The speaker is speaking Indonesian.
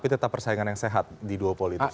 tapi tetap persaingan yang sehat di duopoli itu